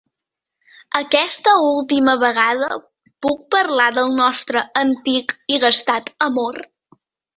Aquesta última vegada puc parlar del nostre antic i gastat amor?